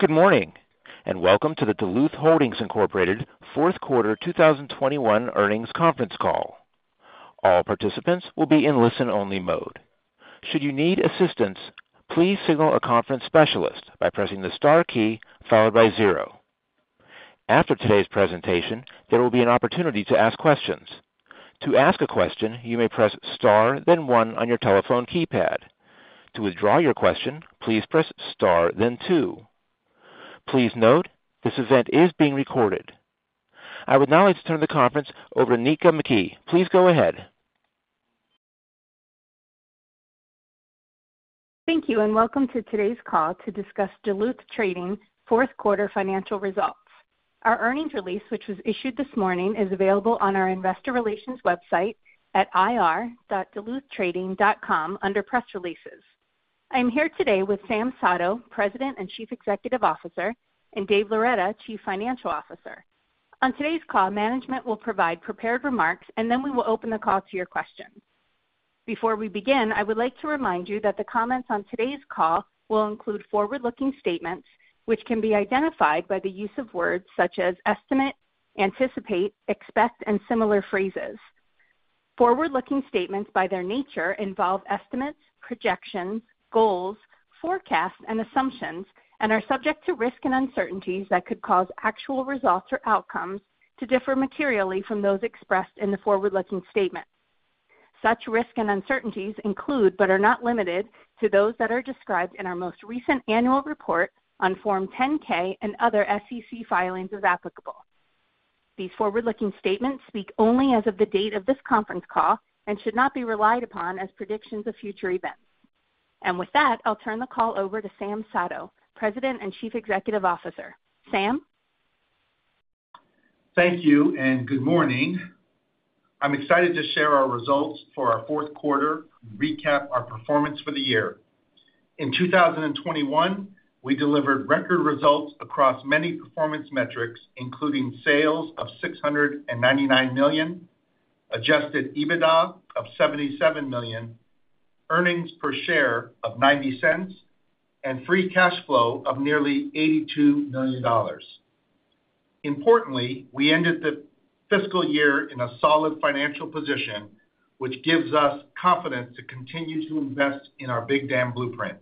Good morning, and welcome to the Duluth Holdings Inc. Fourth Quarter 2021 earnings conference call. All participants will be in listen-only mode. Should you need assistance, please signal a conference specialist by pressing the star key followed by zero. After today's presentation, there will be an opportunity to ask questions. To ask a question, you may press star then one on your telephone keypad. To withdraw your question, please press star then two. Please note, this event is being recorded. I would now like to turn the conference over to Nitza McKee. Please go ahead. Thank you, and welcome to today's call to discuss Duluth Trading fourth quarter financial results. Our earnings release, which was issued this morning, is available on our investor relations website at ir.duluthtrading.com under Press Releases. I'm here today with Sam Sato, President and Chief Executive Officer, and Dave Loretta, Chief Financial Officer. On today's call, management will provide prepared remarks, and then we will open the call to your questions. Before we begin, I would like to remind you that the comments on today's call will include forward-looking statements, which can be identified by the use of words such as estimate, anticipate, expect, and similar phrases. Forward-looking statements, by their nature, involve estimates, projections, goals, forecasts, and assumptions, and are subject to risks and uncertainties that could cause actual results or outcomes to differ materially from those expressed in the forward-looking statements. Such risks and uncertainties include, but are not limited to, those that are described in our most recent annual report on Form 10-K and other SEC filings as applicable. These forward-looking statements speak only as of the date of this conference call and should not be relied upon as predictions of future events. With that, I'll turn the call over to Sam Sato, President and Chief Executive Officer. Sam? Thank you and good morning. I'm excited to share our results for our fourth quarter and recap our performance for the year. In 2021, we delivered record results across many performance metrics, including sales of $699 million, adjusted EBITDA of $77 million, earnings per share of $0.90, and free cash flow of nearly $82 million. Importantly, we ended the fiscal year in a solid financial position, which gives us confidence to continue to invest in our Big Dam Blueprint.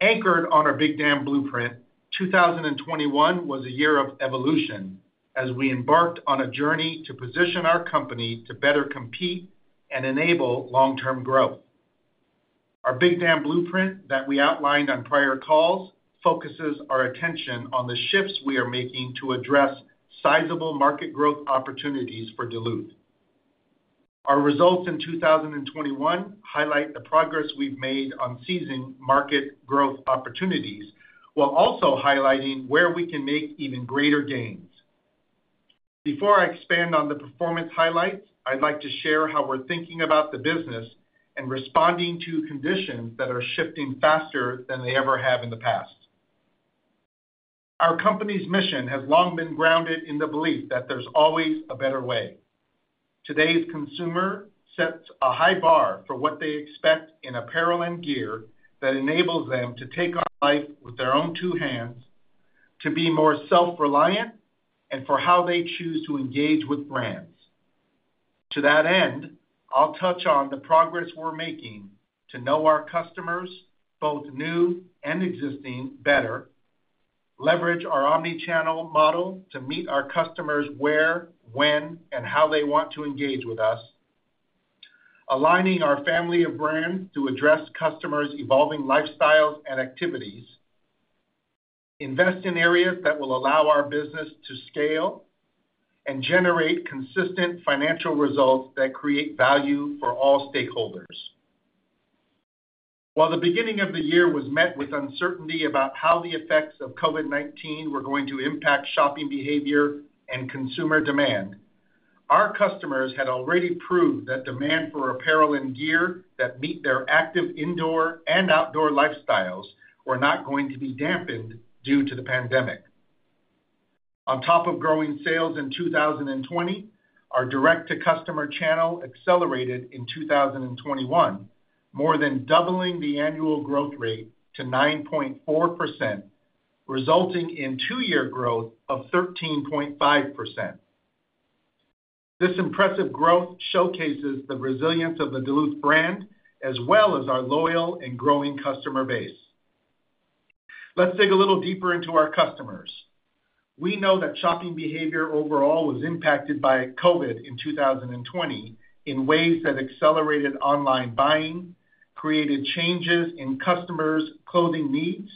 Anchored on our Big Dam Blueprint, 2021 was a year of evolution as we embarked on a journey to position our company to better compete and enable long-term growth. Our Big Dam Blueprint that we outlined on prior calls focuses our attention on the shifts we are making to address sizable market growth opportunities for Duluth. Our results in 2021 highlight the progress we've made on seizing market growth opportunities while also highlighting where we can make even greater gains. Before I expand on the performance highlights, I'd like to share how we're thinking about the business and responding to conditions that are shifting faster than they ever have in the past. Our company's mission has long been grounded in the belief that there's always a better way. Today's consumer sets a high bar for what they expect in apparel and gear that enables them to take on life with their own two hands, to be more self-reliant, and for how they choose to engage with brands. To that end, I'll touch on the progress we're making to know our customers, both new and existing, better. Leverage our omni-channel model to meet our customers where, when, and how they want to engage with us. Aligning our family of brands to address customers' evolving lifestyles and activities. Invest in areas that will allow our business to scale. Generate consistent financial results that create value for all stakeholders. While the beginning of the year was met with uncertainty about how the effects of COVID-19 were going to impact shopping behavior and consumer demand, our customers had already proved that demand for apparel and gear that meet their active indoor and outdoor lifestyles were not going to be dampened due to the pandemic. On top of growing sales in 2020, our direct-to-consumer channel accelerated in 2021, more than doubling the annual growth rate to 9.4%, resulting in two-year growth of 13.5%. This impressive growth showcases the resilience of the Duluth brand as well as our loyal and growing customer base. Let's dig a little deeper into our customers. We know that shopping behavior overall was impacted by COVID in 2020 in ways that accelerated online buying, created changes in customers' clothing needs,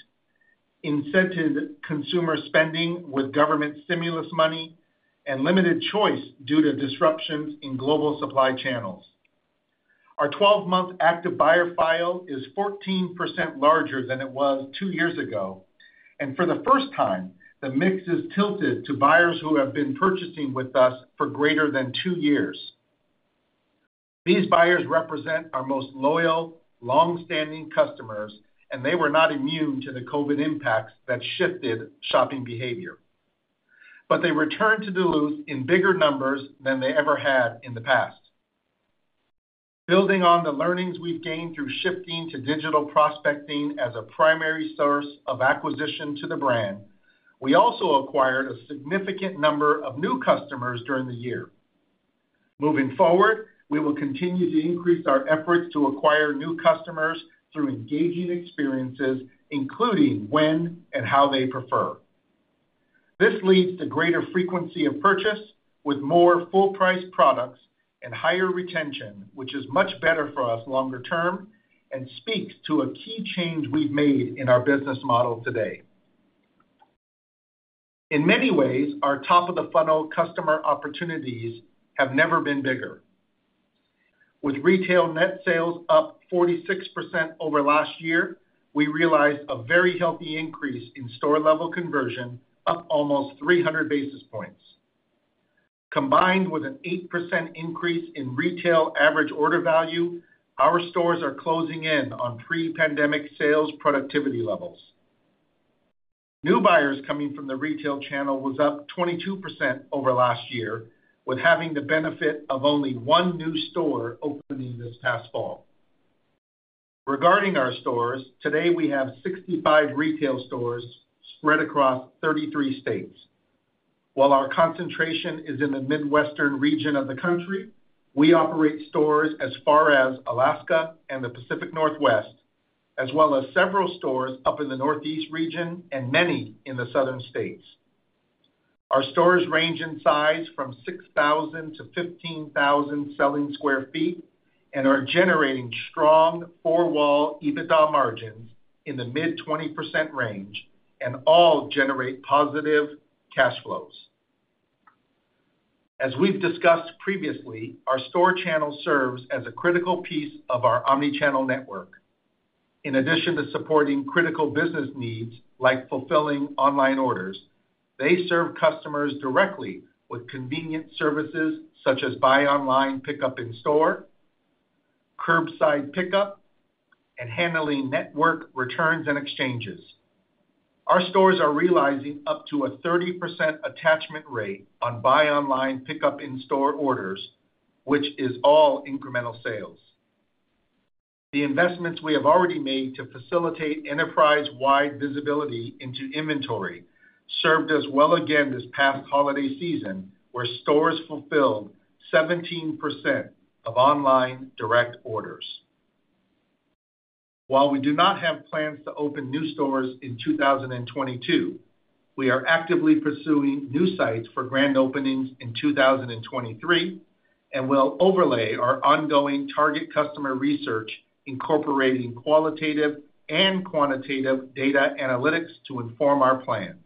incented consumer spending with government stimulus money, and limited choice due to disruptions in global supply channels. Our 12-month active buyer file is 14% larger than it was two years ago, and for the first time, the mix is tilted to buyers who have been purchasing with us for greater than two years. These buyers represent our most loyal, long-standing customers, and they were not immune to the COVID impacts that shifted shopping behavior. They returned to Duluth in bigger numbers than they ever had in the past. Building on the learnings we've gained through shifting to digital prospecting as a primary source of acquisition to the brand, we also acquired a significant number of new customers during the year. Moving forward, we will continue to increase our efforts to acquire new customers through engaging experiences, including when and how they prefer. This leads to greater frequency of purchase with more full price products and higher retention, which is much better for us longer term and speaks to a key change we've made in our business model today. In many ways, our top of the funnel customer opportunities have never been bigger. With retail net sales up 46% over last year, we realized a very healthy increase in store-level conversion, up almost 300 basis points. Combined with an 8% increase in retail average order value, our stores are closing in on pre-pandemic sales productivity levels. New buyers coming from the retail channel was up 22% over last year, with having the benefit of only one new store opening this past fall. Regarding our stores, today we have 65 retail stores spread across 33 states. While our concentration is in the Midwestern region of the country, we operate stores as far as Alaska and the Pacific Northwest, as well as several stores up in the Northeast region and many in the Southern states. Our stores range in size from 6,000 to 15,000 selling sq ft and are generating strong four-wall EBITDA margins in the mid-20% range and all generate positive cash flows. As we've discussed previously, our store channel serves as a critical piece of our omnichannel network. In addition to supporting critical business needs like fulfilling online orders, they serve customers directly with convenient services such as buy online, pickup in store, curbside pickup, and handling network returns and exchanges. Our stores are realizing up to a 30% attachment rate on buy online, pickup in store orders, which is all incremental sales. The investments we have already made to facilitate enterprise-wide visibility into inventory served us well again this past holiday season, where stores fulfilled 17% of online direct orders. While we do not have plans to open new stores in 2022, we are actively pursuing new sites for grand openings in 2023 and will overlay our ongoing target customer research incorporating qualitative and quantitative data analytics to inform our plans.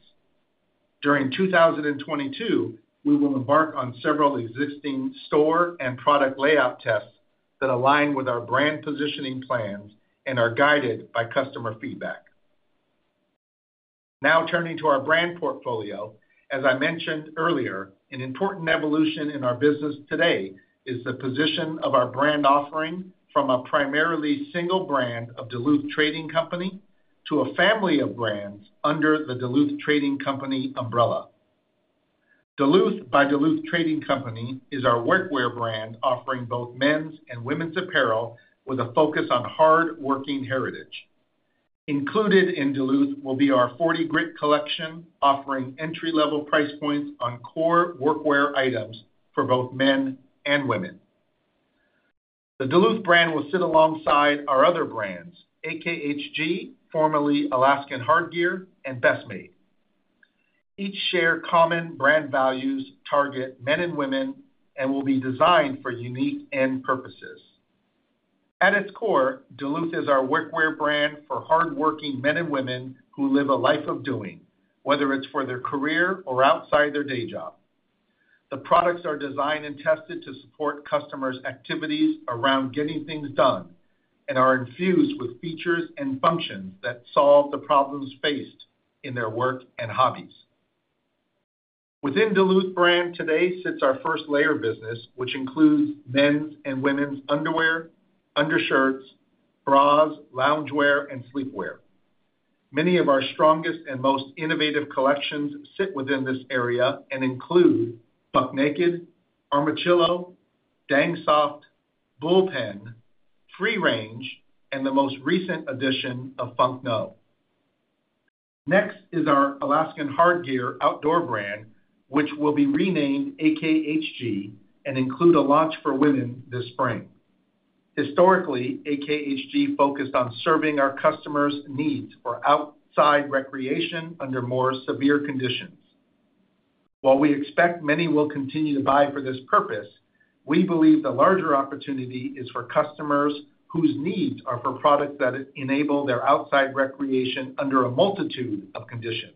During 2022, we will embark on several existing store and product layout tests that align with our brand positioning plans and are guided by customer feedback. Now turning to our brand portfolio. As I mentioned earlier, an important evolution in our business today is the position of our brand offering from a primarily single brand of Duluth Trading Company to a family of brands under the Duluth Trading Company umbrella. Duluth by Duluth Trading Company is our workwear brand offering both men's and women's apparel with a focus on hard-working heritage. Included in Duluth will be our 40 Grit collection, offering entry-level price points on core workwear items for both men and women. The Duluth brand will sit alongside our other brands, AKHG, formerly Alaskan Hardgear, and Best Made. Each share common brand values, target men and women, and will be designed for unique end purposes. At its core, Duluth is our workwear brand for hardworking men and women who live a life of doing, whether it's for their career or outside their day job. The products are designed and tested to support customers' activities around getting things done and are infused with features and functions that solve the problems faced in their work and hobbies. Within Duluth brand today sits our first layer business, which includes men's and women's underwear, undershirts, bras, loungewear, and sleepwear. Many of our strongest and most innovative collections sit within this area and include Buck Naked, Armachillo, Dang Soft, Bullpen, Free Range, and the most recent addition of Funk No!. Next is our Alaskan Hardgear outdoor brand, which will be renamed AKHG and include a launch for women this spring. Historically, AKHG focused on serving our customers' needs for outside recreation under more severe conditions. While we expect many will continue to buy for this purpose, we believe the larger opportunity is for customers whose needs are for products that enable their outside recreation under a multitude of conditions.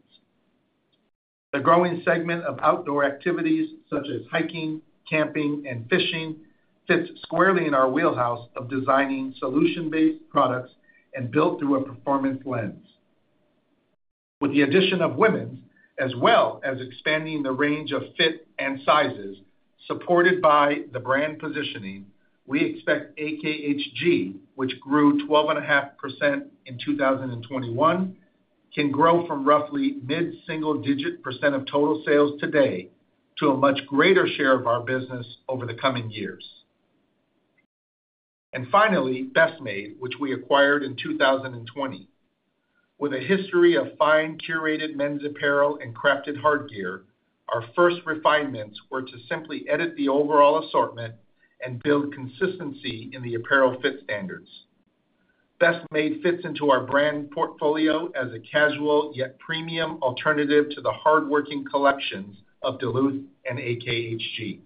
The growing segment of outdoor activities such as hiking, camping, and fishing fits squarely in our wheelhouse of designing solution-based products and built through a performance lens. With the addition of women's, as well as expanding the range of fit and sizes supported by the brand positioning, we expect AKHG, which grew 12.5% in 2021, can grow from roughly mid-single-digit % of total sales today to a much greater share of our business over the coming years. Finally, Best Made, which we acquired in 2020. With a history of fine curated men's apparel and crafted hard gear, our first refinements were to simply edit the overall assortment and build consistency in the apparel fit standards. Best Made fits into our brand portfolio as a casual, yet premium alternative to the hardworking collections of Duluth and AKHG.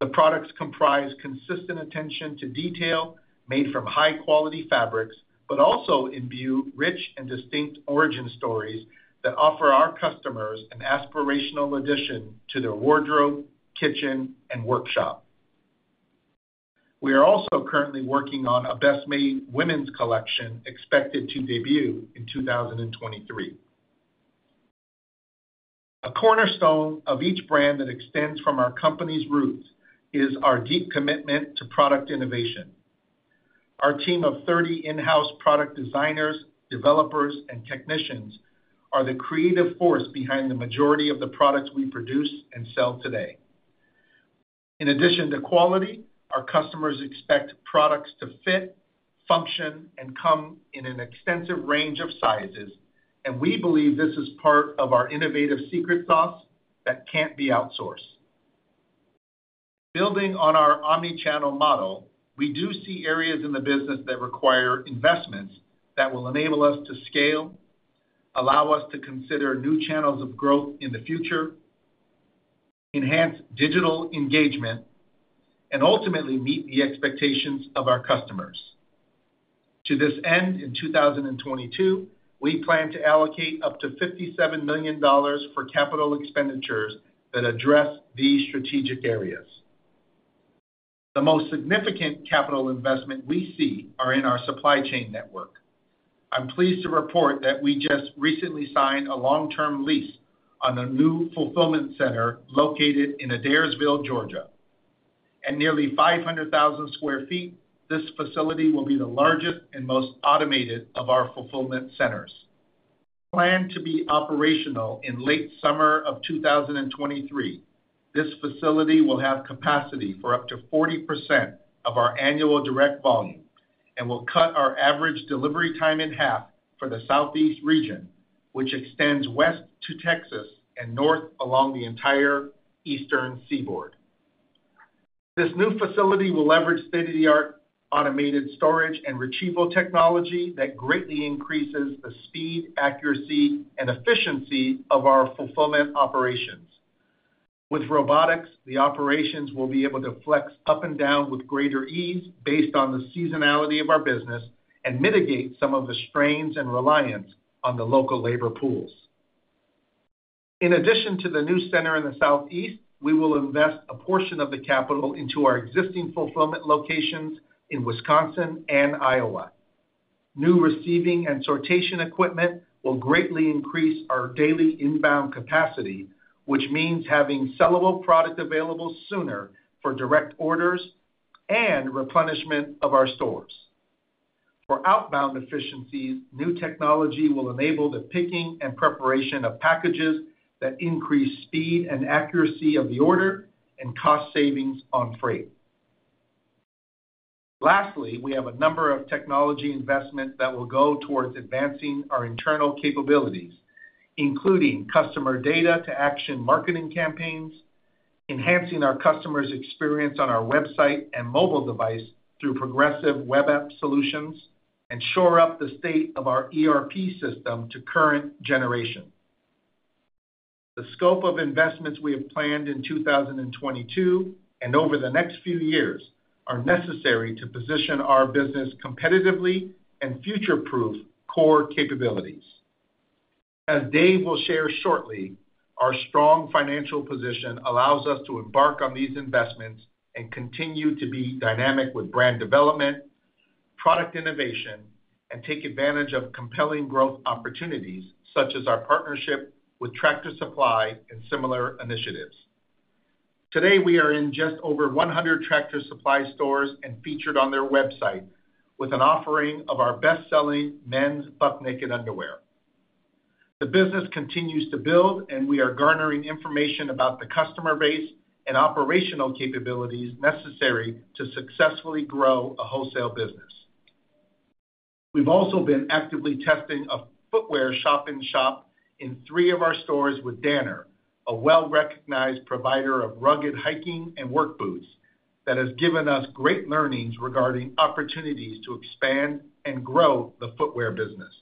The products comprise consistent attention to detail, made from high-quality fabrics, but also imbue rich and distinct origin stories that offer our customers an aspirational addition to their wardrobe, kitchen, and workshop. We are also currently working on a Best Made women's collection expected to debut in 2023. A cornerstone of each brand that extends from our company's roots is our deep commitment to product innovation. Our team of 30 in-house product designers, developers, and technicians are the creative force behind the majority of the products we produce and sell today. In addition to quality, our customers expect products to fit, function, and come in an extensive range of sizes, and we believe this is part of our innovative secret sauce that can't be outsourced. Building on our omni-channel model, we do see areas in the business that require investments that will enable us to scale, allow us to consider new channels of growth in the future, enhance digital engagement, and ultimately meet the expectations of our customers. To this end, in 2022, we plan to allocate up to $57 million for capital expenditures that address these strategic areas. The most significant capital investment we see are in our supply chain network. I'm pleased to report that we just recently signed a long-term lease on a new fulfillment center located in Adairsville, Georgia. At nearly 500,000 sq ft, this facility will be the largest and most automated of our fulfillment centers. Planned to be operational in late summer of 2023, this facility will have capacity for up to 40% of our annual direct volume and will cut our average delivery time in half for the Southeast region, which extends west to Texas and north along the entire eastern seaboard. This new facility will leverage state-of-the-art automated storage and retrieval technology that greatly increases the speed, accuracy, and efficiency of our fulfillment operations. With robotics, the operations will be able to flex up and down with greater ease based on the seasonality of our business and mitigate some of the strains and reliance on the local labor pools. In addition to the new center in the Southeast, we will invest a portion of the capital into our existing fulfillment locations in Wisconsin and Iowa. New receiving and sortation equipment will greatly increase our daily inbound capacity, which means having sellable product available sooner for direct orders and replenishment of our stores. For outbound efficiencies, new technology will enable the picking and preparation of packages that increase speed and accuracy of the order and cost savings on freight. Lastly, we have a number of technology investments that will go towards advancing our internal capabilities, including customer data to action marketing campaigns, enhancing our customers' experience on our website and mobile device through progressive web app solutions, and shore up the state of our ERP system to current generation. The scope of investments we have planned in 2022 and over the next few years are necessary to position our business competitively and future-proof core capabilities. As Dave will share shortly, our strong financial position allows us to embark on these investments and continue to be dynamic with brand development, product innovation, and take advantage of compelling growth opportunities such as our partnership with Tractor Supply and similar initiatives. Today, we are in just over 100 Tractor Supply stores and featured on their website with an offering of our best-selling men's Buck Naked underwear. The business continues to build, and we are garnering information about the customer base and operational capabilities necessary to successfully grow a wholesale business. We've also been actively testing a footwear shop-in-shop in three of our stores with Danner, a well-recognized provider of rugged hiking and work boots that has given us great learnings regarding opportunities to expand and grow the footwear business.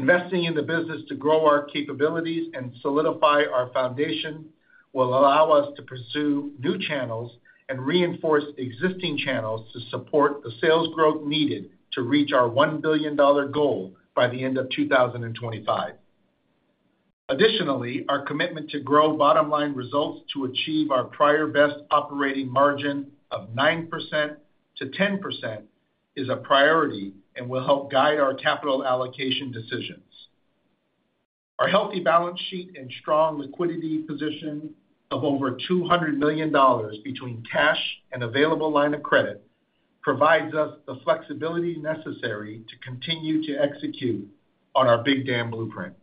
Investing in the business to grow our capabilities and solidify our foundation will allow us to pursue new channels and reinforce existing channels to support the sales growth needed to reach our $1 billion goal by the end of 2025. Additionally, our commitment to grow bottom-line results to achieve our prior best operating margin of 9%-10% is a priority and will help guide our capital allocation decisions. Our healthy balance sheet and strong liquidity position of over $200 million between cash and available line of credit provides us the flexibility necessary to continue to execute on our Big Dam Blueprint.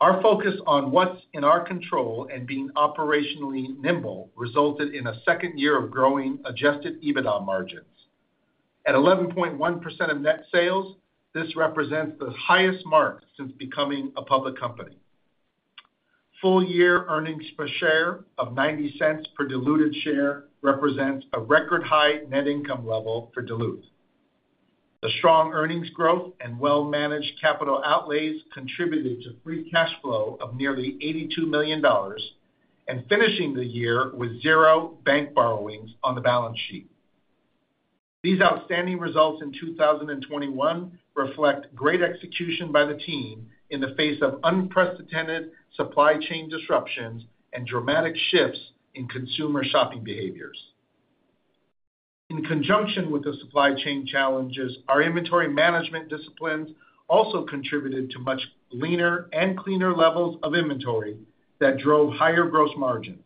Our focus on what's in our control and being operationally nimble resulted in a second year of growing adjusted EBITDA margins. At 11.1% of net sales, this represents the highest mark since becoming a public company. Full year earnings per share of $0.90 per diluted share represents a record high net income level for Duluth. The strong earnings growth and well-managed capital outlays contributed to free cash flow of nearly $82 million and finishing the year with zero bank borrowings on the balance sheet. These outstanding results in 2021 reflect great execution by the team in the face of unprecedented supply chain disruptions and dramatic shifts in consumer shopping behaviors. In conjunction with the supply chain challenges, our inventory management disciplines also contributed to much leaner and cleaner levels of inventory that drove higher gross margins.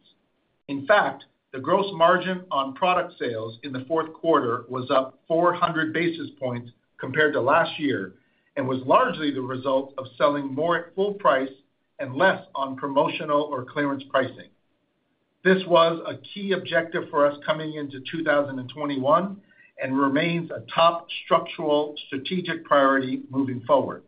In fact, the gross margin on product sales in the fourth quarter was up 400 basis points compared to last year and was largely the result of selling more at full price and less on promotional or clearance pricing. This was a key objective for us coming into 2021 and remains a top structural strategic priority moving forward.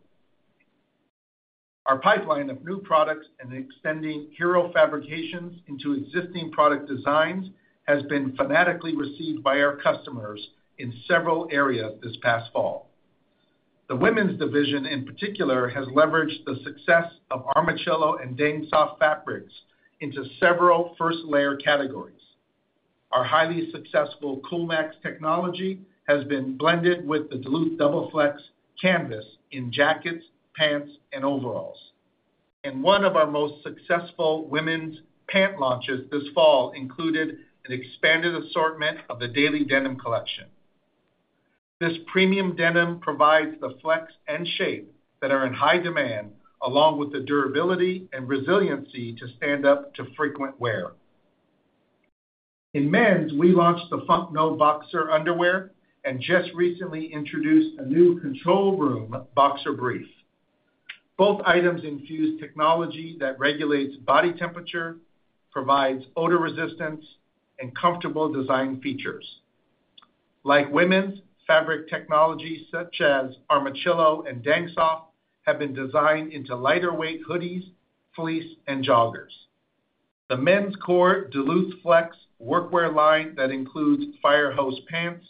Our pipeline of new products and extending hero fabrications into existing product designs has been fantastically received by our customers in several areas this past fall. The women's division, in particular, has leveraged the success of Armachillo and Dang Soft fabrics into several first-layer categories. Our highly successful COOLMAX technology has been blended with the Duluth Double Flex canvas in jackets, pants, and overalls. One of our most successful women's pant launches this fall included an expanded assortment of the Daily Denim collection. This premium denim provides the flex and shape that are in high demand, along with the durability and resiliency to stand up to frequent wear. In men's, we launched the Funk No! boxer underwear and just recently introduced a new control room boxer brief. Both items infuse technology that regulates body temperature, provides odor resistance, and comfortable design features. Like women's, fabric technologies such as Armachillo and Dang Soft have been designed into lighter-weight hoodies, fleece, and joggers. The men's core DuluthFlex workwear line that includes Fire Hose pants,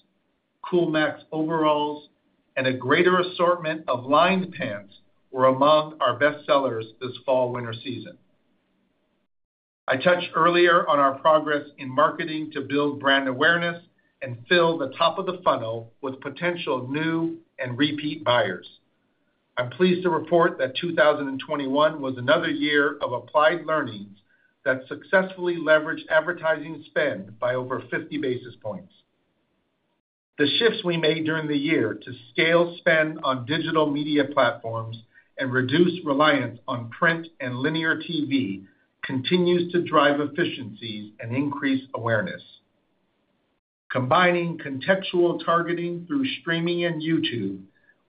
COOLMAX overalls, and a greater assortment of lined pants were among our best sellers this fall-winter season. I touched earlier on our progress in marketing to build brand awareness and fill the top of the funnel with potential new and repeat buyers. I'm pleased to report that 2021 was another year of applied learnings that successfully leveraged advertising spend by over 50 basis points. The shifts we made during the year to scale spend on digital media platforms and reduce reliance on print and linear TV continues to drive efficiencies and increase awareness. Combining contextual targeting through streaming and YouTube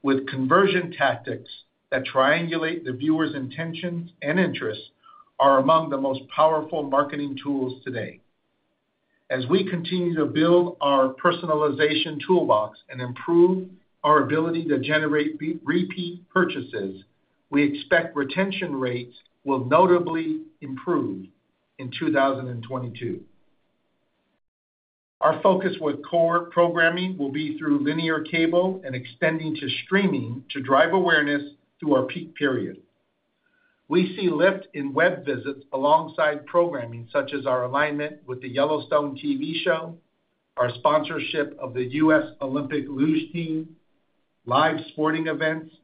with conversion tactics that triangulate the viewer's intentions and interests are among the most powerful marketing tools today. As we continue to build our personalization toolbox and improve our ability to generate repeat purchases, we expect retention rates will notably improve in 2022. Our focus with core programming will be through linear cable and extending to streaming to drive awareness through our peak period. We see lift in web visits alongside programming such as our alignment with the Yellowstone TV show, our sponsorship of the U.S. Olympic luge team, live sporting events,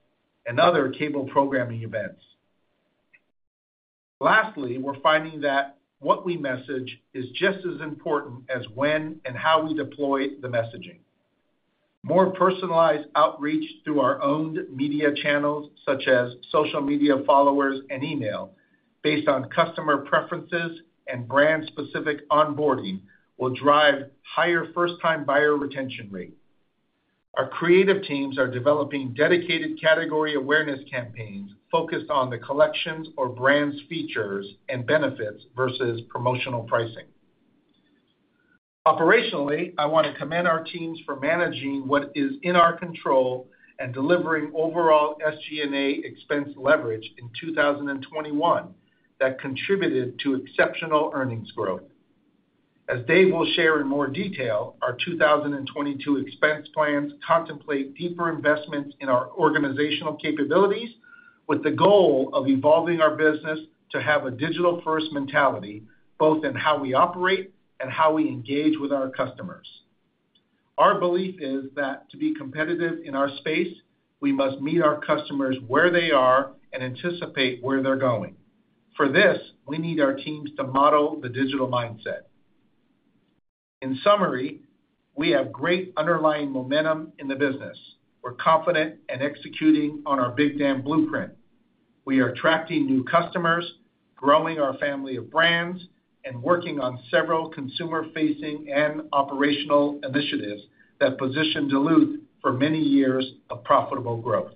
and other cable programming events. Lastly, we're finding that what we message is just as important as when and how we deploy the messaging. More personalized outreach through our owned media channels, such as social media followers and email, based on customer preferences and brand-specific onboarding, will drive higher first-time buyer retention rate. Our creative teams are developing dedicated category awareness campaigns focused on the collections or brands features and benefits versus promotional pricing. Operationally, I want to commend our teams for managing what is in our control and delivering overall SG&A expense leverage in 2021 that contributed to exceptional earnings growth. As Dave will share in more detail, our 2022 expense plans contemplate deeper investments in our organizational capabilities with the goal of evolving our business to have a digital-first mentality, both in how we operate and how we engage with our customers. Our belief is that to be competitive in our space, we must meet our customers where they are and anticipate where they're going. For this, we need our teams to model the digital mindset. In summary, we have great underlying momentum in the business. We're confident in executing on our Big Dam Blueprint. We are attracting new customers, growing our family of brands, and working on several consumer-facing and operational initiatives that position Duluth for many years of profitable growth.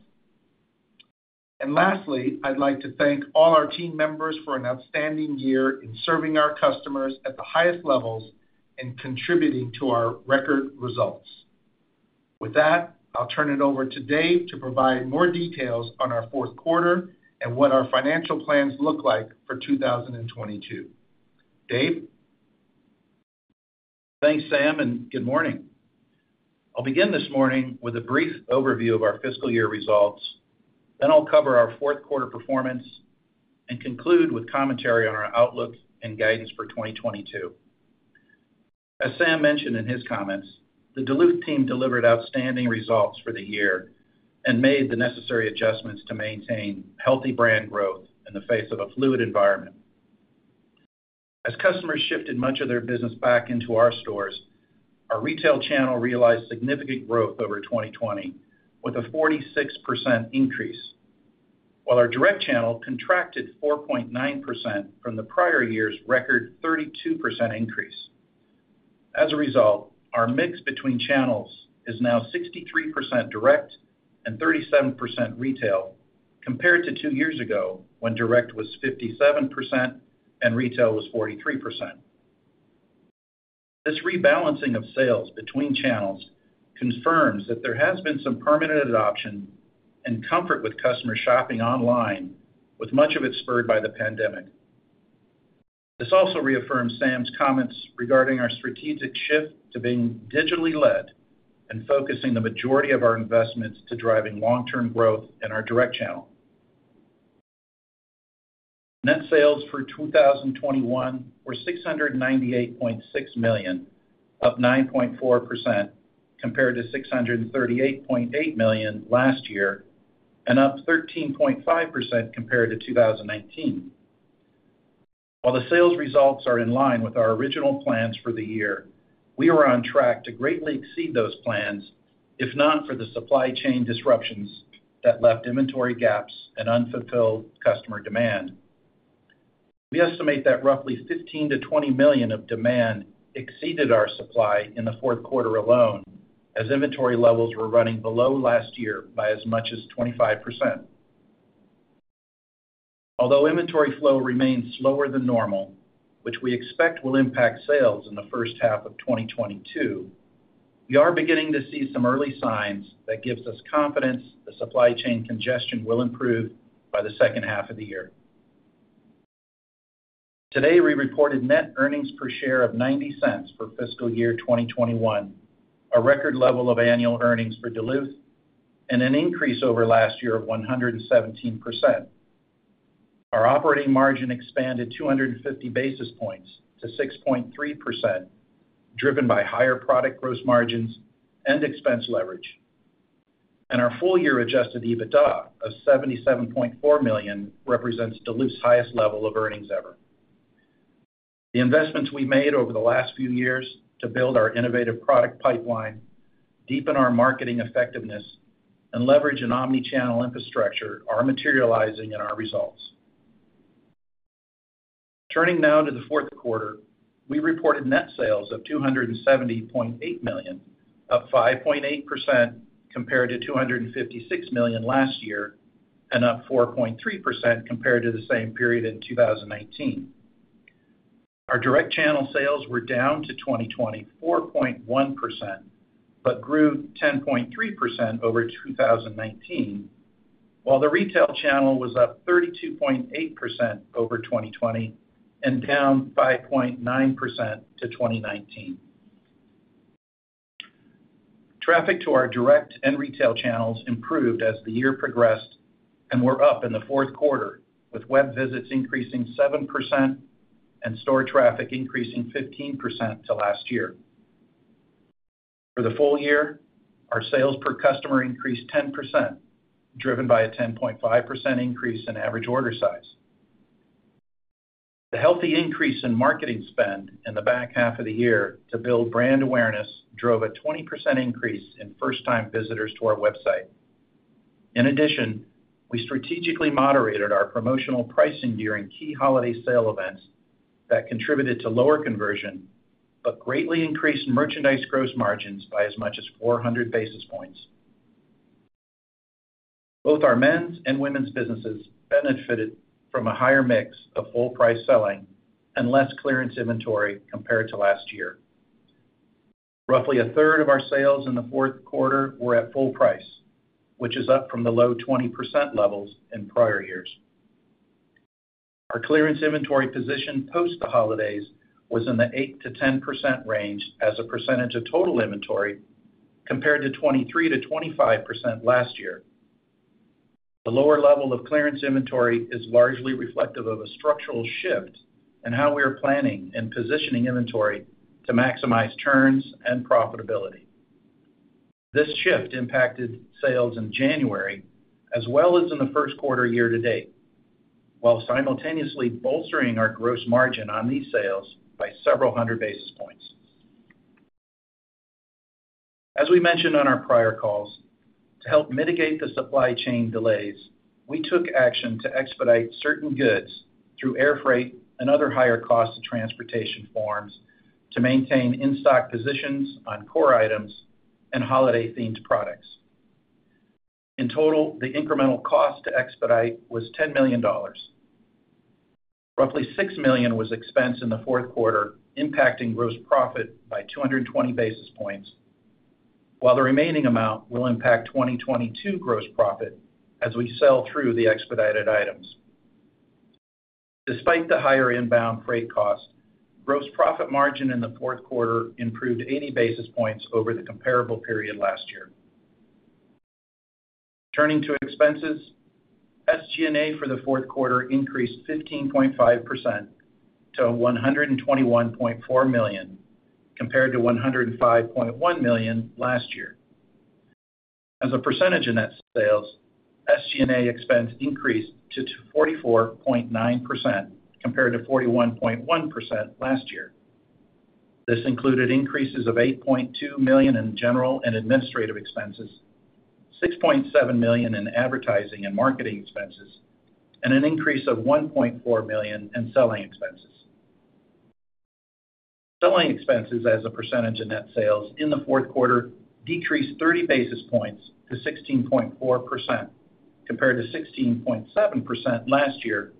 Lastly, I'd like to thank all our team members for an outstanding year in serving our customers at the highest levels and contributing to our record results. With that, I'll turn it over to Dave to provide more details on our fourth quarter and what our financial plans look like for 2022. Dave? Thanks, Sam, and good morning. I'll begin this morning with a brief overview of our fiscal year results, then I'll cover our fourth quarter performance and conclude with commentary on our outlook and guidance for 2022. As Sam mentioned in his comments, the Duluth team delivered outstanding results for the year and made the necessary adjustments to maintain healthy brand growth in the face of a fluid environment. As customers shifted much of their business back into our stores, our retail channel realized significant growth over 2020, with a 46% increase, while our direct channel contracted 4.9% from the prior year's record 32% increase. As a result, our mix between channels is now 63% direct and 37% retail compared to two years ago when direct was 57% and retail was 43%. This rebalancing of sales between channels confirms that there has been some permanent adoption and comfort with customer shopping online, with much of it spurred by the pandemic. This also reaffirms Sam's comments regarding our strategic shift to being digitally led and focusing the majority of our investments to driving long-term growth in our direct channel. Net sales for 2021 were $698.6 million, up 9.4% compared to $638.8 million last year, and up 13.5% compared to 2019. While the sales results are in line with our original plans for the year, we were on track to greatly exceed those plans, if not for the supply chain disruptions that left inventory gaps and unfulfilled customer demand. We estimate that roughly 15-20 million of demand exceeded our supply in the fourth quarter alone as inventory levels were running below last year by as much as 25%. Although inventory flow remains slower than normal, which we expect will impact sales in the first half of 2022, we are beginning to see some early signs that gives us confidence the supply chain congestion will improve by the second half of the year. Today, we reported net earnings per share of $0.90 for fiscal year 2021, a record level of annual earnings for Duluth, and an increase over last year of 117%. Our operating margin expanded 250 basis points to 6.3%, driven by higher product gross margins and expense leverage. Our full year adjusted EBITDA of $77.4 million represents Duluth's highest level of earnings ever. The investments we made over the last few years to build our innovative product pipeline, deepen our marketing effectiveness, and leverage an omnichannel infrastructure are materializing in our results. Turning now to the fourth quarter, we reported net sales of $270.8 million, up 5.8% compared to $256 million last year, and up 4.3% compared to the same period in 2019. Our direct channel sales were down 24.1%, but grew 10.3% over 2019, while the retail channel was up 32.8% over 2020 and down 5.9% to 2019. Traffic to our direct and retail channels improved as the year progressed and were up in the fourth quarter, with web visits increasing 7% and store traffic increasing 15% to last year. For the full year, our sales per customer increased 10%, driven by a 10.5% increase in average order size. The healthy increase in marketing spend in the back half of the year to build brand awareness drove a 20% increase in first-time visitors to our website. In addition, we strategically moderated our promotional pricing during key holiday sale events that contributed to lower conversion, but greatly increased merchandise gross margins by as much as 400 basis points. Both our men's and women's businesses benefited from a higher mix of full price selling and less clearance inventory compared to last year. Roughly a third of our sales in the fourth quarter were at full price, which is up from the low 20% levels in prior years. Our clearance inventory position post the holidays was in the 8%-10% range as a percentage of total inventory, compared to 23%-25% last year. The lower level of clearance inventory is largely reflective of a structural shift in how we are planning and positioning inventory to maximize turns and profitability. This shift impacted sales in January as well as in the first quarter year to date, while simultaneously bolstering our gross margin on these sales by several hundred basis points. As we mentioned on our prior calls, to help mitigate the supply chain delays, we took action to expedite certain goods through air freight and other higher cost transportation forms to maintain in-stock positions on core items and holiday-themed products. In total, the incremental cost to expedite was $10 million. Roughly $6 million was expensed in the fourth quarter, impacting gross profit by 220 basis points, while the remaining amount will impact 2022 gross profit as we sell through the expedited items. Despite the higher inbound freight costs, gross profit margin in the fourth quarter improved 80 basis points over the comparable period last year. Turning to expenses, SG&A for the fourth quarter increased 15.5% to $121.4 million, compared to $105.1 million last year. As a percentage of net sales, SG&A expense increased to 44.9%, compared to 41.1% last year. This included increases of $8.2 million in general and administrative expenses, $6.7 million in advertising and marketing expenses, and an increase of $1.4 million in selling expenses. Selling expenses as a percentage of net sales in the fourth quarter decreased 30 basis points to 16.4%, compared to 16.7% last year,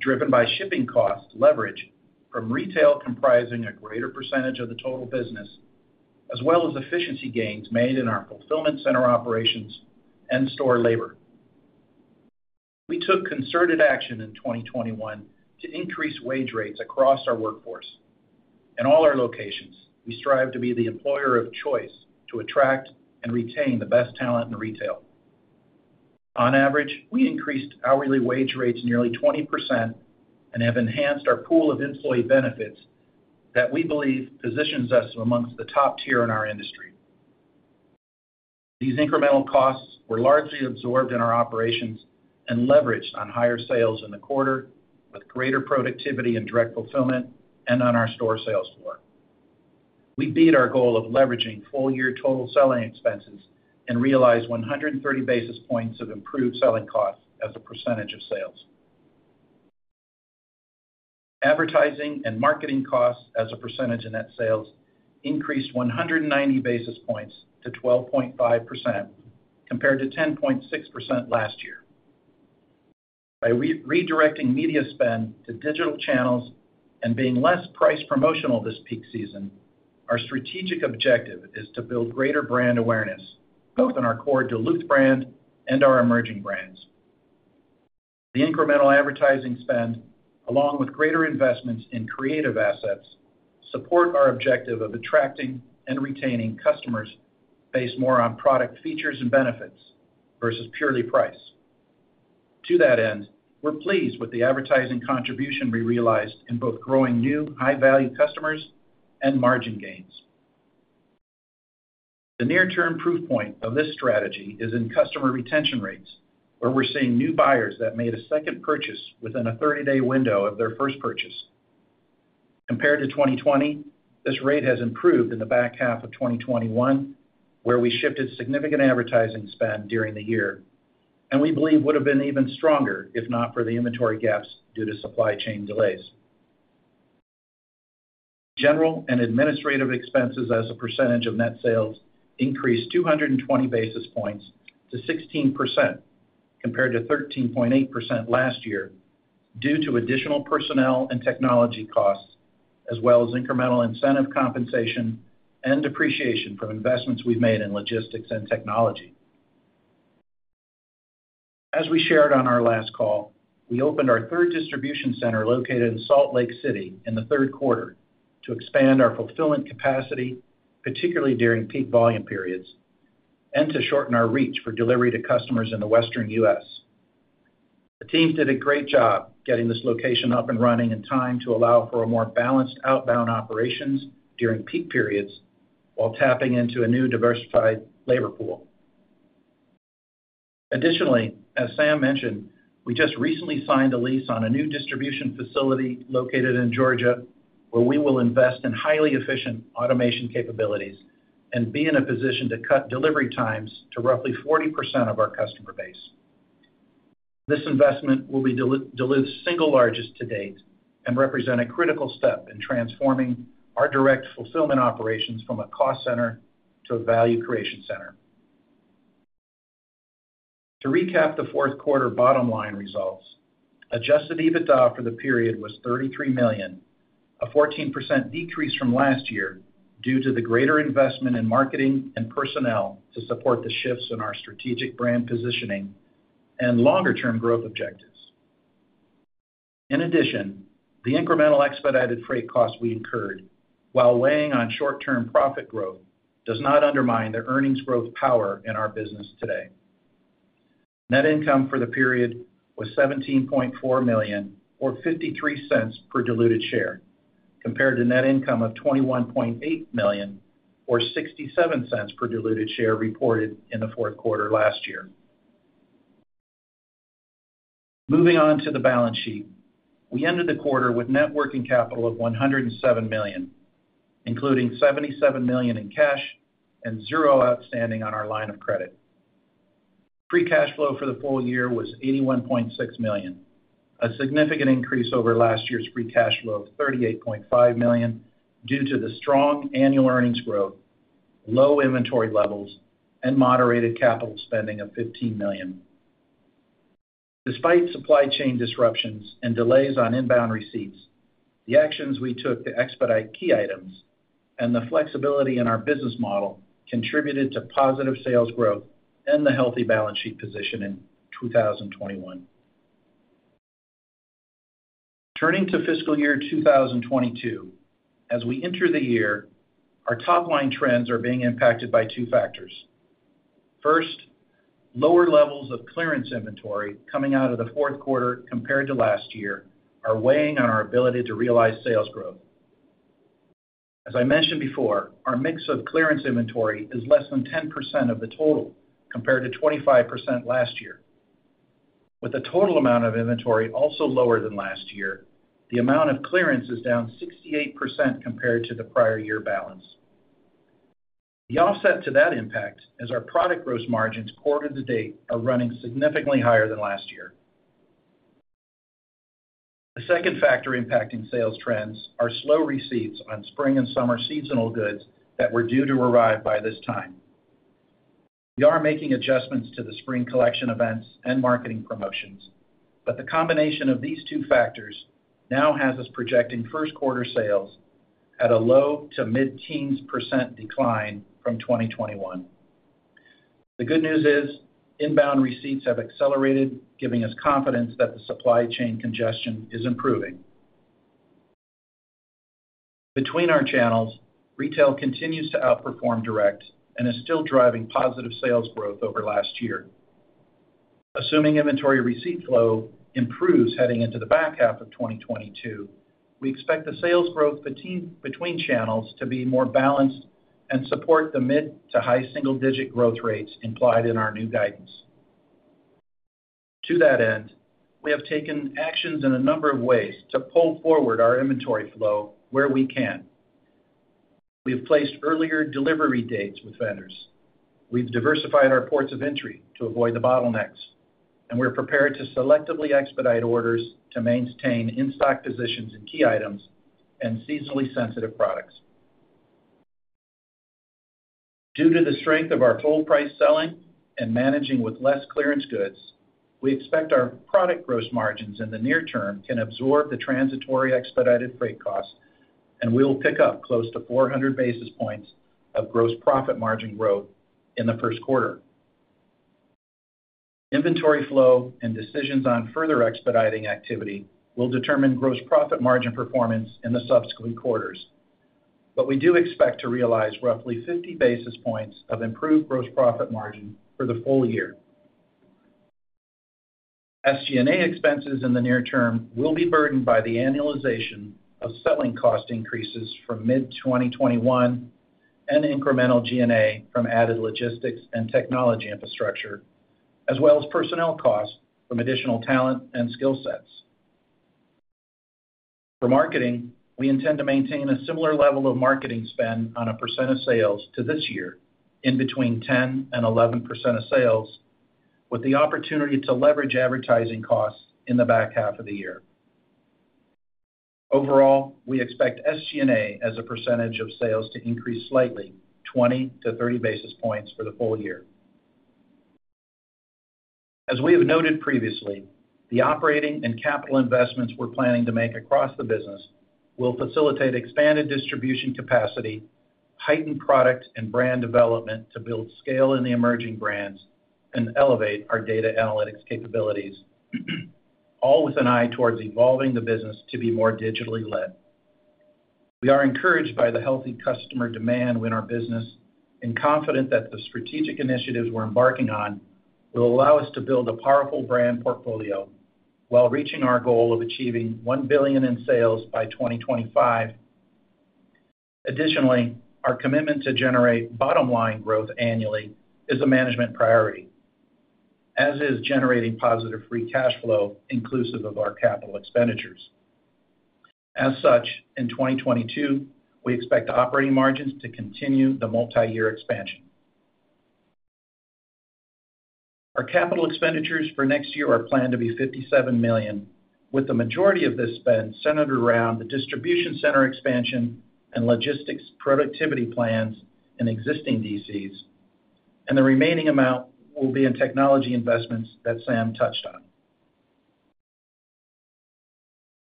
driven by shipping cost leverage from retail comprising a greater percentage of the total business, as well as efficiency gains made in our fulfillment center operations and store labor. We took concerted action in 2021 to increase wage rates across our workforce. In all our locations, we strive to be the employer of choice to attract and retain the best talent in retail. On average, we increased hourly wage rates nearly 20% and have enhanced our pool of employee benefits that we believe positions us amongst the top tier in our industry. These incremental costs were largely absorbed in our operations and leveraged on higher sales in the quarter with greater productivity and direct fulfillment and on our store sales floor. We beat our goal of leveraging full year total selling expenses and realized 130 basis points of improved selling costs as a percentage of sales. Advertising and marketing costs as a percentage of net sales increased 190 basis points to 12.5%, compared to 10.6% last year. By redirecting media spend to digital channels and being less price promotional this peak season, our strategic objective is to build greater brand awareness, both in our core Duluth brand and our emerging brands. The incremental advertising spend, along with greater investments in creative assets, support our objective of attracting and retaining customers based more on product features and benefits versus purely price. To that end, we're pleased with the advertising contribution we realized in both growing new high-value customers and margin gains. The near-term proof point of this strategy is in customer retention rates, where we're seeing new buyers that made a second purchase within a 30-day window of their first purchase. Compared to 2020, this rate has improved in the back half of 2021, where we shifted significant advertising spend during the year, and we believe would have been even stronger if not for the inventory gaps due to supply chain delays. General and administrative expenses as a percentage of net sales increased 220 basis points to 16%, compared to 13.8% last year, due to additional personnel and technology costs, as well as incremental incentive compensation and depreciation from investments we've made in logistics and technology. As we shared on our last call, we opened our third distribution center located in Salt Lake City in the third quarter to expand our fulfillment capacity, particularly during peak volume periods, and to shorten our reach for delivery to customers in the Western U.S. The teams did a great job getting this location up and running in time to allow for a more balanced outbound operations during peak periods while tapping into a new diversified labor pool. Additionally, as Sam mentioned, we just recently signed a lease on a new distribution facility located in Georgia, where we will invest in highly efficient automation capabilities and be in a position to cut delivery times to roughly 40% of our customer base. This investment will be Duluth's single largest to date and represent a critical step in transforming our direct fulfillment operations from a cost center to a value creation center. To recap the fourth quarter bottom line results, adjusted EBITDA for the period was $33 million, a 14% decrease from last year due to the greater investment in marketing and personnel to support the shifts in our strategic brand positioning and longer-term growth objectives. In addition, the incremental expedited freight costs we incurred while weighing on short-term profit growth does not undermine the earnings growth power in our business today. Net income for the period was $17.4 million, or $0.53 per diluted share, compared to net income of $21.8 million or $0.67 per diluted share reported in the fourth quarter last year. Moving on to the balance sheet. We ended the quarter with net working capital of $107 million, including $77 million in cash and zero outstanding on our line of credit. Free cash flow for the full year was $81.6 million, a significant increase over last year's free cash flow of $38.5 million due to the strong annual earnings growth, low inventory levels, and moderated capital spending of $15 million. Despite supply chain disruptions and delays on inbound receipts, the actions we took to expedite key items and the flexibility in our business model contributed to positive sales growth and the healthy balance sheet position in 2021. Turning to fiscal year 2022, as we enter the year, our top line trends are being impacted by two factors. First, lower levels of clearance inventory coming out of the fourth quarter compared to last year are weighing on our ability to realize sales growth. As I mentioned before, our mix of clearance inventory is less than 10% of the total compared to 25% last year. With the total amount of inventory also lower than last year, the amount of clearance is down 68% compared to the prior year balance. The offset to that impact is our product gross margins quarter to date are running significantly higher than last year. The second factor impacting sales trends are slow receipts on spring and summer seasonal goods that were due to arrive by this time. We are making adjustments to the spring collection events and marketing promotions, but the combination of these two factors now has us projecting first quarter sales at a low to mid-teens % decline from 2021. The good news is inbound receipts have accelerated, giving us confidence that the supply chain congestion is improving. Between our channels, retail continues to outperform direct and is still driving positive sales growth over last year. Assuming inventory receipt flow improves heading into the back half of 2022, we expect the sales growth between channels to be more balanced and support the mid- to high-single-digit growth rates implied in our new guidance. To that end, we have taken actions in a number of ways to pull forward our inventory flow where we can. We have placed earlier delivery dates with vendors. We've diversified our ports of entry to avoid the bottlenecks, and we're prepared to selectively expedite orders to maintain in-stock positions in key items and seasonally sensitive products. Due to the strength of our full price selling and managing with less clearance goods, we expect our product gross margins in the near term can absorb the transitory expedited freight costs, and we'll pick up close to 400 basis points of gross profit margin growth in the first quarter. Inventory flow and decisions on further expediting activity will determine gross profit margin performance in the subsequent quarters. We do expect to realize roughly 50 basis points of improved gross profit margin for the full year. SG&A expenses in the near term will be burdened by the annualization of selling cost increases from mid-2021 and incremental G&A from added logistics and technology infrastructure, as well as personnel costs from additional talent and skill sets. For marketing, we intend to maintain a similar level of marketing spend on a percent of sales to this year between 10% and 11% of sales, with the opportunity to leverage advertising costs in the back half of the year. Overall, we expect SG&A as a percentage of sales to increase slightly 20-30 basis points for the full year. As we have noted previously, the operating and capital investments we're planning to make across the business will facilitate expanded distribution capacity, heightened product and brand development to build scale in the emerging brands and elevate our data analytics capabilities, all with an eye towards evolving the business to be more digitally led. We are encouraged by the healthy customer demand in our business and confident that the strategic initiatives we're embarking on will allow us to build a powerful brand portfolio while reaching our goal of achieving $1 billion in sales by 2025. Additionally, our commitment to generate bottom line growth annually is a management priority, as is generating positive free cash flow inclusive of our capital expenditures. As such, in 2022, we expect operating margins to continue the multiyear expansion. Our capital expenditures for next year are planned to be $57 million, with the majority of this spend centered around the distribution center expansion and logistics productivity plans in existing DCs, and the remaining amount will be in technology investments that Sam touched on.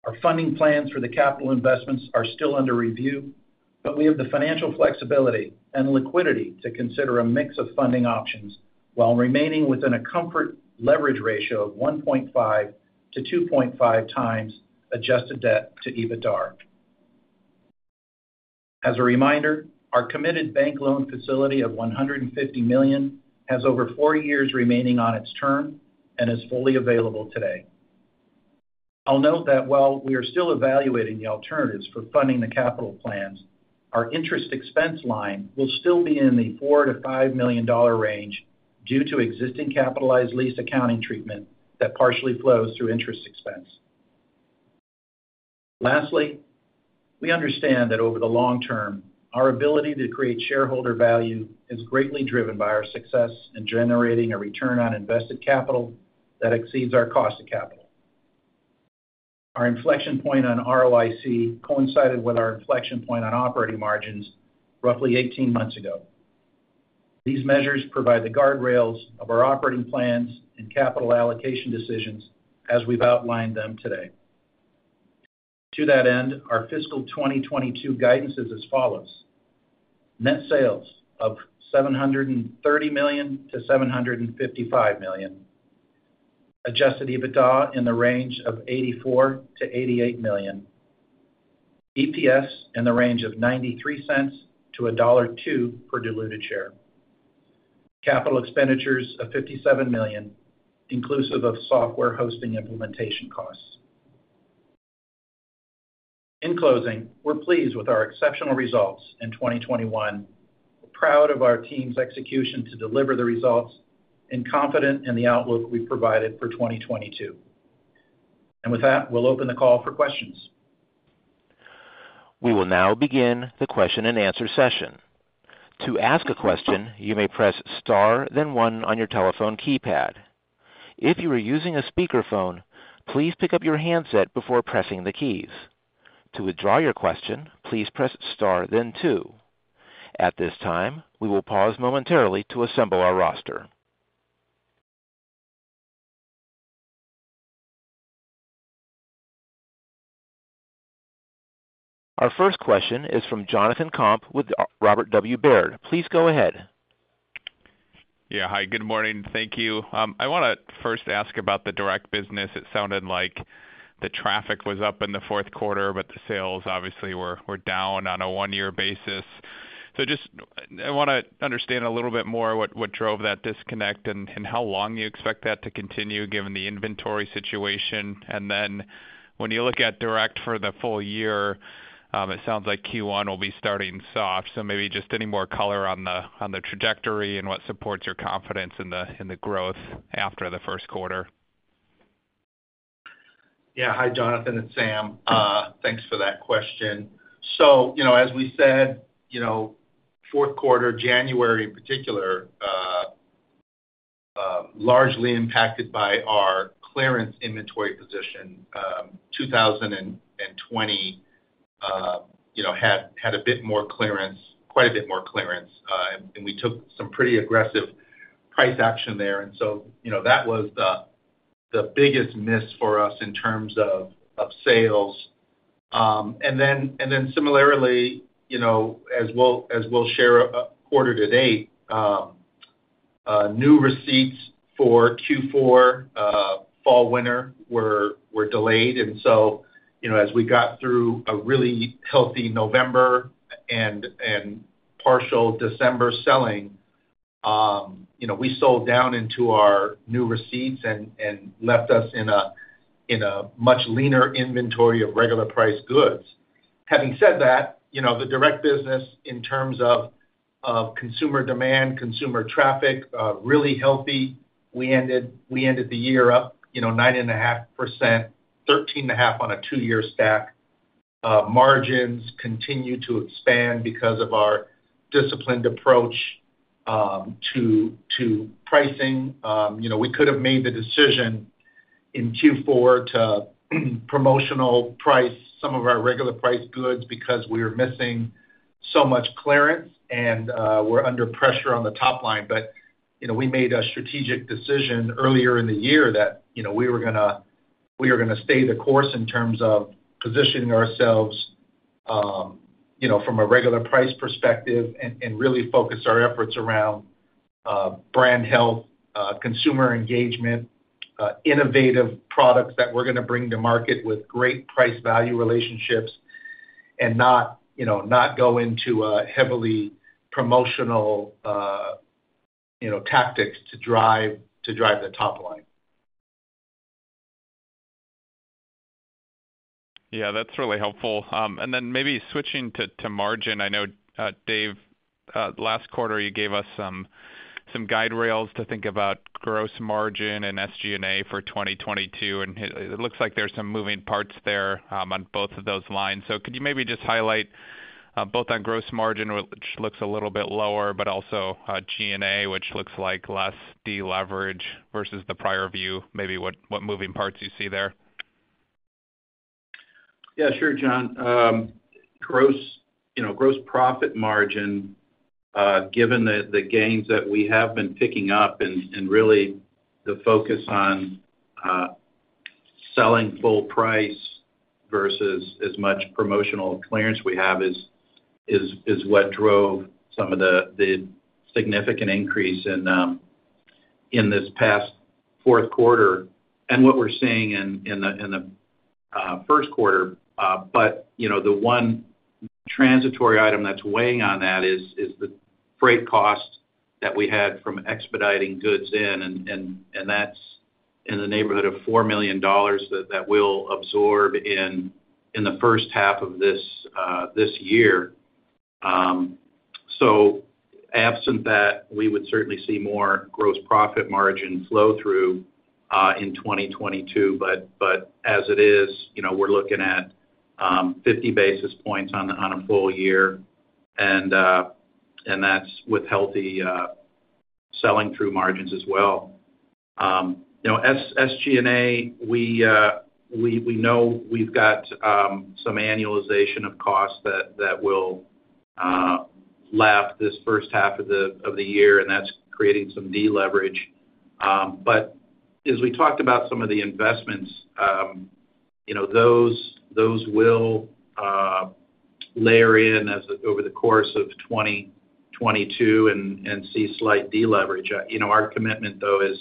Our funding plans for the capital investments are still under review, but we have the financial flexibility and liquidity to consider a mix of funding options while remaining within a comfort leverage ratio of 1.5-2.5 times adjusted debt to EBITDA. As a reminder, our committed bank loan facility of $150 million has over four years remaining on its term and is fully available today. I'll note that while we are still evaluating the alternatives for funding the capital plans, our interest expense line will still be in the $4 million-$5 million range due to existing capitalized lease accounting treatment that partially flows through interest expense. Lastly, we understand that over the long term, our ability to create shareholder value is greatly driven by our success in generating a return on invested capital that exceeds our cost of capital. Our inflection point on ROIC coincided with our inflection point on operating margins roughly 18 months ago. These measures provide the guardrails of our operating plans and capital allocation decisions as we've outlined them today. To that end, our fiscal 2022 guidance is as follows. Net sales of $730 million-$755 million. Adjusted EBITDA in the range of $84 million-$88 million. EPS in the range of $0.93-$1.02 per diluted share. Capital expenditures of $57 million, inclusive of software hosting implementation costs. In closing, we're pleased with our exceptional results in 2021. We're proud of our team's execution to deliver the results and confident in the outlook we've provided for 2022. With that, we'll open the call for questions. We will now begin the question-and-answer session. To ask a question, you may press star then one on your telephone keypad. If you are using a speakerphone, please pick up your handset before pressing the keys. To withdraw your question, please press star then two. At this time, we will pause momentarily to assemble our roster. Our first question is from Jonathan Komp with Robert W. Baird. Please go ahead. Yeah. Hi, good morning. Thank you. I wanna first ask about the direct business. It sounded like the traffic was up in the fourth quarter, but the sales obviously were down on a one-year basis. I wanna understand a little bit more what drove that disconnect and how long you expect that to continue given the inventory situation. Then when you look at direct for the full year, it sounds like Q1 will be starting soft. Maybe just any more color on the trajectory and what supports your confidence in the growth after the first quarter. Yeah. Hi, Jonathan, it's Sam. Thanks for that question. You know, as we said, you know, fourth quarter, January in particular, largely impacted by our clearance inventory position. 2020, you know, had a bit more clearance, quite a bit more clearance, and we took some pretty aggressive price action there. You know, that was the biggest miss for us in terms of sales. Then similarly, you know, as we'll share quarter to date, new receipts for Q4, fall/winter were delayed. You know, as we got through a really healthy November and partial December selling, you know, we sold down into our new receipts and left us in a much leaner inventory of regular priced goods. Having said that, the direct business in terms of consumer demand, consumer traffic, really healthy. We ended the year up 9.5%, 13.5 on a two-year stack. Margins continue to expand because of our disciplined approach to pricing. We could have made the decision in Q4 to promotional price some of our regular priced goods because we were missing so much clearance and we're under pressure on the top line. You know, we made a strategic decision earlier in the year that, you know, we were gonna stay the course in terms of positioning ourselves, you know, from a regular price perspective and really focus our efforts around brand health, consumer engagement, innovative products that we're gonna bring to market with great price value relationships and not, you know, not go into a heavily promotional, you know, tactics to drive the top line. Yeah, that's really helpful. And then maybe switching to margin. I know, Dave, last quarter, you gave us some guide rails to think about gross margin and SG&A for 2022, and it looks like there's some moving parts there on both of those lines. Could you maybe just highlight both on gross margin, which looks a little bit lower, but also G&A, which looks like less deleverage versus the prior view, maybe what moving parts you see there? Yeah, sure, Jonathan. Gross, you know, gross profit margin, given the gains that we have been picking up and really the focus on selling full price versus as much promotional clearance we have is what drove some of the significant increase in, In this past fourth quarter and what we're seeing in the first quarter, you know, the one transitory item that's weighing on that is the freight cost that we had from expediting goods in and that's in the neighborhood of $4 million that we'll absorb in the first half of this year. Absent that, we would certainly see more gross profit margin flow through in 2022. As it is, you know, we're looking at 50 basis points on a full year and that's with healthy selling through margins as well. You know, SG&A, we know we've got some annualization of costs that will lap this first half of the year, and that's creating some deleverage. As we talked about some of the investments, you know, those will layer in over the course of 2022 and see slight deleverage. You know, our commitment though is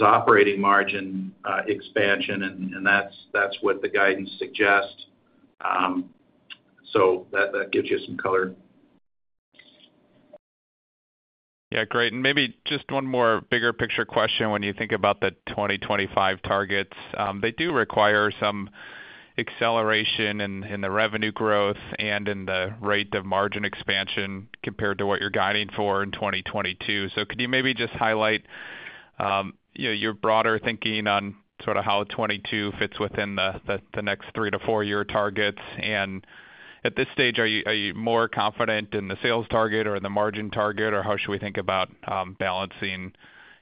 operating margin expansion, and that's what the guidance suggests. That gives you some color. Yeah, great. Maybe just one more bigger picture question. When you think about the 2025 targets, they do require some acceleration in the revenue growth and in the rate of margin expansion compared to what you're guiding for in 2022. Could you maybe just highlight, you know, your broader thinking on sort of how 2022 fits within the next three- to four-year targets? At this stage, are you more confident in the sales target or in the margin target, or how should we think about balancing,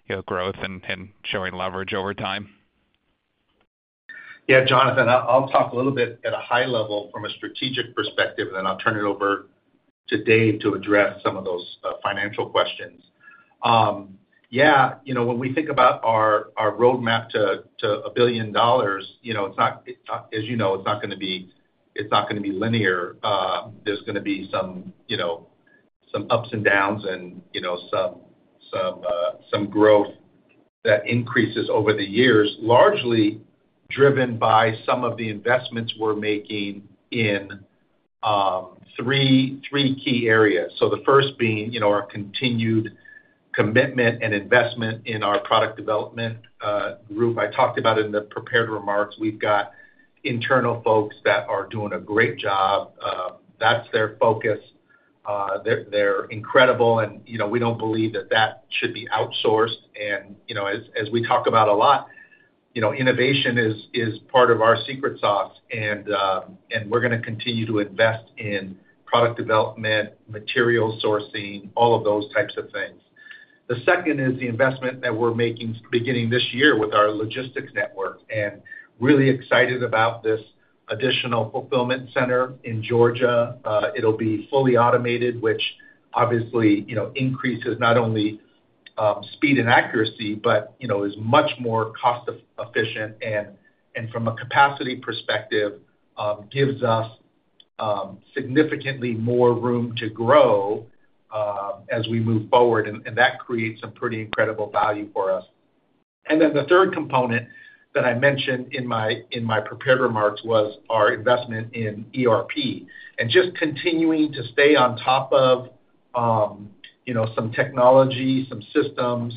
you know, growth and showing leverage over time? Yeah, Jonathan, I'll talk a little bit at a high level from a strategic perspective, and then I'll turn it over to Dave to address some of those financial questions. Yeah, you know, when we think about our roadmap to $1 billion, you know, as you know, it's not gonna be linear. There's gonna be some ups and downs and, you know, some growth that increases over the years, largely driven by some of the investments we're making in three key areas. The first being, you know, our continued commitment and investment in our product development group. I talked about in the prepared remarks, we've got internal folks that are doing a great job. That's their focus. They're incredible and, you know, we don't believe that should be outsourced. You know, as we talk about a lot, you know, innovation is part of our secret sauce and we're gonna continue to invest in product development, material sourcing, all of those types of things. The second is the investment that we're making beginning this year with our logistics network, and we're really excited about this additional fulfillment center in Georgia. It'll be fully automated, which obviously, you know, increases not only speed and accuracy, but, you know, is much more cost efficient and from a capacity perspective gives us significantly more room to grow as we move forward, and that creates some pretty incredible value for us. The third component that I mentioned in my prepared remarks was our investment in ERP. Just continuing to stay on top of, you know, some technology, some systems,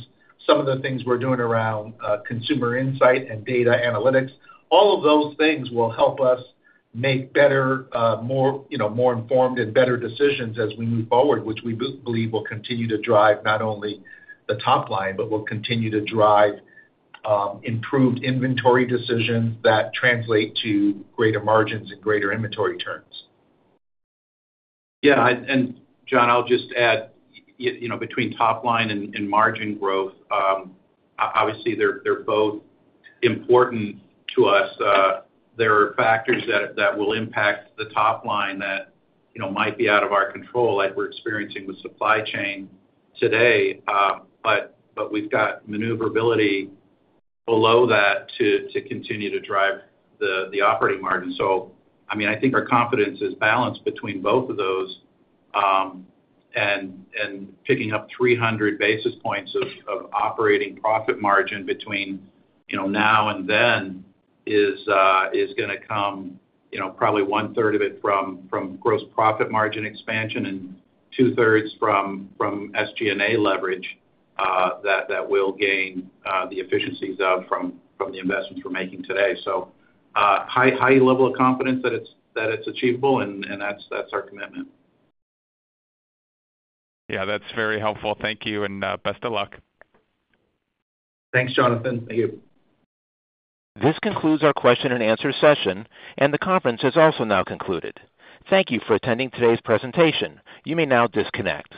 some of the things we're doing around, consumer insight and data analytics, all of those things will help us make better, more, you know, more informed and better decisions as we move forward, which we believe will continue to drive not only the top line, but will continue to drive, improved inventory decisions that translate to greater margins and greater inventory turns. Yeah, John, I'll just add, you know, between top line and margin growth, obviously they're both important to us. There are factors that will impact the top line that, you know, might be out of our control, like we're experiencing with supply chain today. We've got maneuverability below that to continue to drive the operating margin. I mean, I think our confidence is balanced between both of those, and picking up 300 basis points of operating profit margin between, you know, now and then is gonna come, you know, probably one-third of it from gross profit margin expansion and two-thirds from SG&A leverage that we'll gain, the efficiencies from the investments we're making today. High level of confidence that it's achievable and that's our commitment. Yeah, that's very helpful. Thank you, and best of luck. Thanks, Jonathan. Thank you. This concludes our question and answer session, and the conference has also now concluded. Thank you for attending today's presentation. You may now disconnect.